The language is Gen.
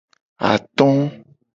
Ato.